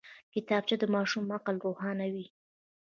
کتابچه د ماشوم عقل روښانوي